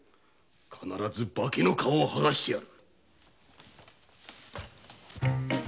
必ず化けの皮をはがしてやる！